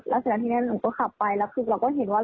แล้วเสร็จแล้วทีนี้หนูก็ขับไปแล้วคือเราก็เห็นว่า